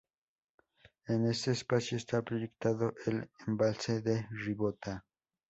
En este espacio está proyectado el embalse de Ribota.